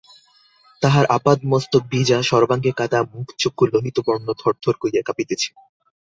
তাহার আপাদমস্তক ভিজা, সর্বাঙ্গে কাদা, মুখ চক্ষু লোহিতবর্ণ, থরথর করিয়া কাঁপিতেছে।